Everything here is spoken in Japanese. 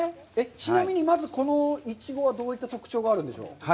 ちなみに、まずこのイチゴは、どういった特徴があるんでしょう。